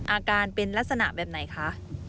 อาการเป็นลักษณะแบบไหนคะ